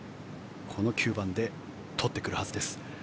この９番で取ってくるはずです。